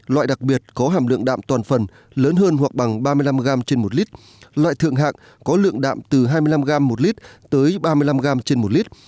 loại đặc biệt có hàm lượng đạm toàn phần lớn hơn hoặc bằng ba mươi năm gram trên một lít loại thượng hạng có lượng đạm từ hai mươi năm gram một lít tới ba mươi năm gram trên một lít